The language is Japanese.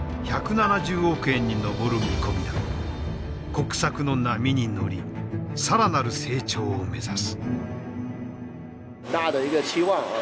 国策の波に乗り更なる成長を目指す。